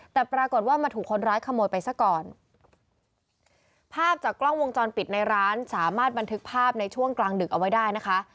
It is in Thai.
แต่ปรากฏว่ามาถูกคนร้ายขโมยไปซะก่อนภาพจากกล้องวงจรปิดในร้านสามารถบันทึกภาพในช่วงกลางดึกเอาไว้ได้นะคะ